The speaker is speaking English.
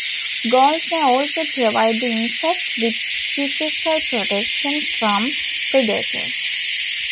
Galls may also provide the insect with physical protection from predators.